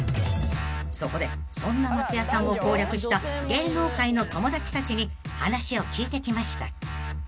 ［そこでそんな松也さんを攻略した芸能界の友達たちに話を聞いてきました］